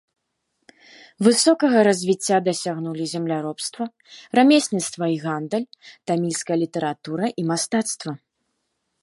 Высокага развіцця дасягнулі земляробства, рамесніцтва і гандаль, тамільская літаратура і мастацтва.